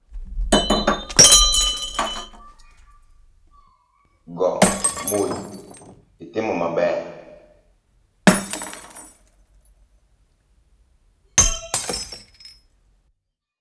Ing’eyo ndiko ahinya